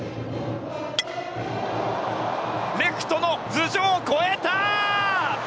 レフトの頭上を越えた！